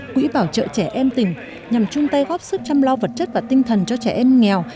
quỹ bảo trợ trẻ em tỉnh nhằm chung tay góp sức chăm lo vật chất và tinh thần cho trẻ em nghèo